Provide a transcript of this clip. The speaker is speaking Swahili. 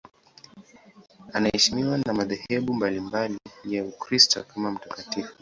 Anaheshimiwa na madhehebu mbalimbali ya Ukristo kama mtakatifu.